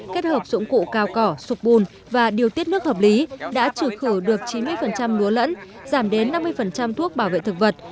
kết hợp dụng cụ cao cỏ sụp bùn và điều tiết nước hợp lý đã trừ khử được chín mươi lúa lẫn giảm đến năm mươi thuốc bảo vệ thực vật